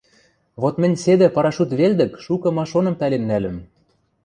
Вот мӹнь седӹ парашют велдӹк шукы ма-шоным пӓлен нӓльӹм...